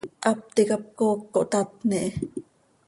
Hap ticap cooc cohtatni hi.